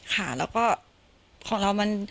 ค่ะแล้วก็ของเรามัน